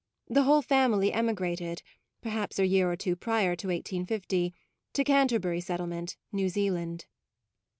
The whole family emigrated per haps a year or two prior to 1850 to Canterbury Settlement, New Zealand.